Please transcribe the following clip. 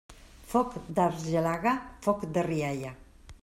Foc d'argelaga, foc de rialla.